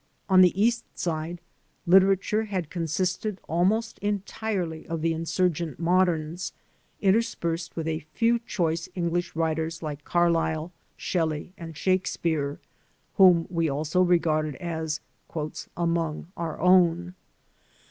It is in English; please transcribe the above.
On the East Side literature had consisted almost entirely of the insurgent modems, interspersed with a few choice English writers like Carlyle, Shelley, and Shakespeare, whom we also regarded as "'among our own."